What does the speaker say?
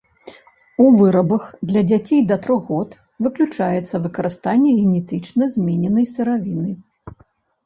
У вырабах для дзяцей да трох год выключаецца выкарыстанне генетычна змененай сыравіны.